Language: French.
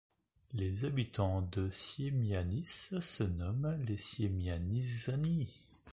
Les habitants de Siemianice se nomment les Siemianiczanie.